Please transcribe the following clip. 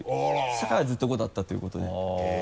社会はずっと５だったということで。